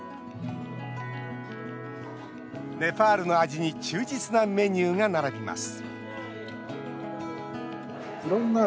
ネパールの味に忠実なメニューが並びます